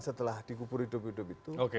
setelah dikubur hidup hidup itu